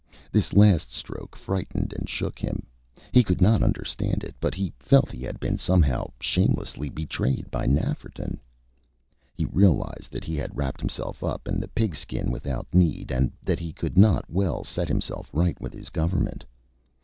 This last stroke frightened and shook him. He could not understand it; but he felt he had been, somehow, shamelessly betrayed by Nafferton. He realized that he had wrapped himself up in the Pigskin without need, and that he could not well set himself right with his Government.